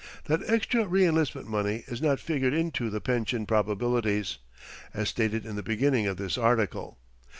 That extra re enlistment money is not figured into the pension probabilities, as stated in the beginning of this article.